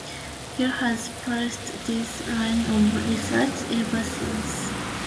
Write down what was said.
He has pursued this line of research ever since.